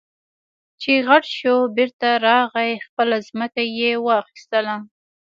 چې غټ شو بېرته راغی خپله ځمکه يې واخېستله.